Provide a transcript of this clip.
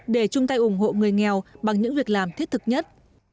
để chung tay ủng hộ người nghèo bằng những việc làm thiết thực nhất